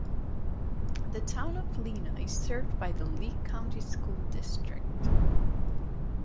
The Town of Lena is served by the Leake County School District.